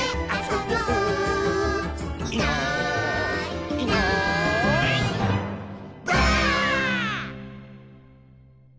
「いないいないばあっ！」